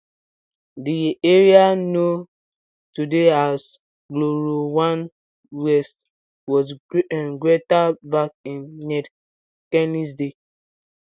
The area known today as Glenrowan West was Greta back in Ned Kelly's day.